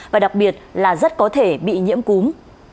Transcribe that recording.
và đặc biệt là rất có thể bị nhiễm cúm